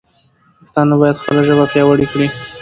پښتانه باید خپله ژبه پیاوړې کړي.